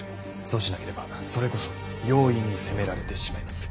そうしなければそれこそ容易に攻められてしまいます。